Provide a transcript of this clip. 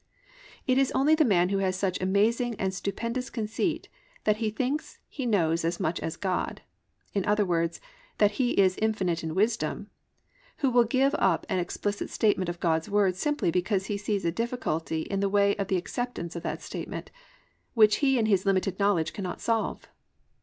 It is only the man who has such amazing and stupendous conceit that he thinks he knows as much as God, in other words, that he is infinite in wisdom, who will give up an explicit statement of God's Word simply because he sees a difficulty in the way of the acceptance of that statement, which he in his limited knowledge cannot solve.